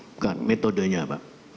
bukan metodenya pak